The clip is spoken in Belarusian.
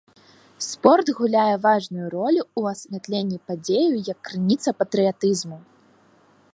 Спорт гуляе важную ролю ў асвятленні падзеяў як крыніца патрыятызму.